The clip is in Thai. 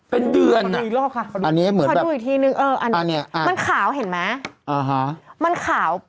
ใส่ถุงมือหรือใส่จากหลังกลาง